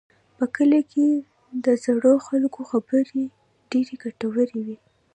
په کلي کې د زړو خلکو خبرې ډېرې ګټورې وي.